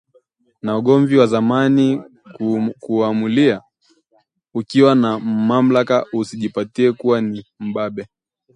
Na ugomvi wa zamani kuuamulia ukiwa na mamlaka, usijitape kuwa ni mbabe